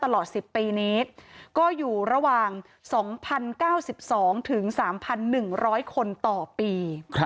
ตลอด๑๐ปีนี้ก็อยู่ระหว่าง๒๐๙๒๓๑๐๐คนต่อปี